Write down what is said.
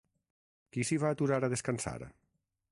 Qui s'hi va aturar a descansar?